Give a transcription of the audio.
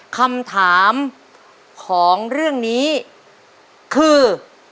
คำถามของเรื่องนี้คือ